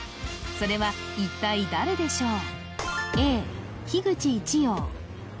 それは一体誰でしょう？